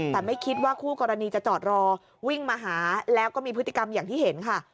แต่ไม่คิดว่าคู่กรณีจะจอดรอวิ่งมาหาแล้วก็มีพฤติกรรมอย่างที่เห็นค่ะ